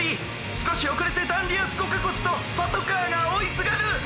すこしおくれてダンディア・スコカコスとパトカーがおいすがる！」。